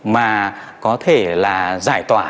mà có thể là giải tỏa